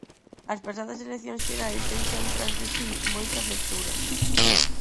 As pasadas eleccións xerais deixan tras de si moitas lecturas.